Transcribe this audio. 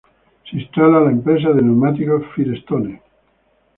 Se instala la empresa de neumáticos Firestone.